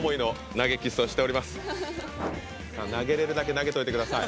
投げれるだけ投げといてください。